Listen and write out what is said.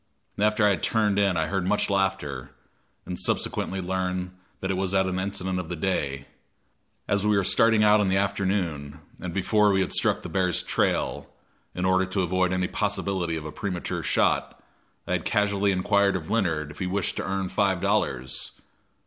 After I had turned in I heard much laughter, and subsequently learned that it was at an incident of the day. As we were starting out in the afternoon, and before we had struck the bear's trail, in order to avoid any possibility of a premature shot I had casually inquired of Leonard if he wished to earn five dollars.